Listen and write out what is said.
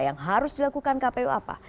yang harus dilakukan kpu apa